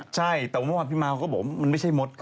ใช่แต่ว่าเมื่อวานพี่มาวก็บอกว่ามันไม่ใช่มด